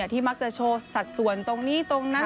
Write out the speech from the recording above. ที่มักจะโชว์สัดส่วนตรงนี้ตรงนั้น